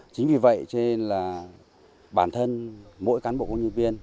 chính vì vậy bản thân mỗi cán bộ công nhân viên